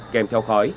kèm theo khói